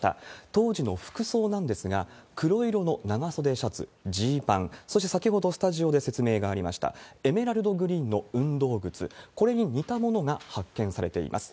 当時の服装なんですが、黒色の長袖シャツ、ジーパン、そして先ほどスタジオで説明がありました、エメラルドグリーンの運動靴、これに似たものが発見されています。